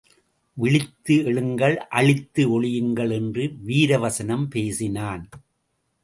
விழித்து எழுங்கள் அழித்து ஒழியுங்கள் என்று வீரவசனம் பேசினான்.